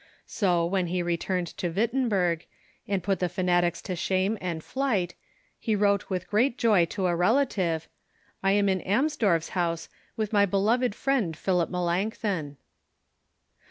So, when he returned to Wittenberg, and put the fanatics to shame and flight, he Avrote with great joy to a relative :" I am in Amsdorfi:'s house, with my beloved friend, Philip Melanch thon."